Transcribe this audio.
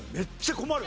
困る！